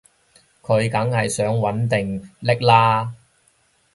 佢梗係想搵掟匿喇